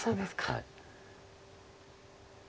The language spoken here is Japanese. はい。